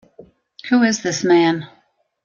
Who is this man?